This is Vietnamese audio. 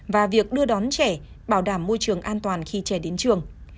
và việc đưa đón trẻ bảo đảm môi trường an toàn khi trẻ đến trường